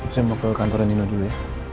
saya mau ke kantor e nino dulu ya